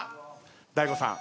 大悟さん